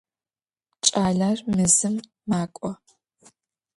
Ç'aler mezım mak'o.